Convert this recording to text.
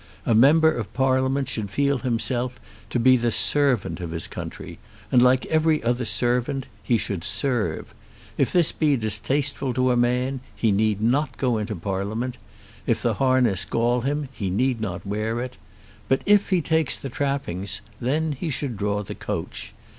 A member of Parliament should feel himself to be the servant of his country, and like every other servant, he should serve. If this be distasteful to a man he need not go into Parliament. If the harness gall him he need not wear it. But if he takes the trappings, then he should draw the coach.